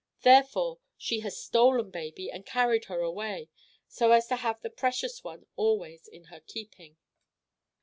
Therefore she has stolen baby and carried her away, so as to have the precious one always in her keeping."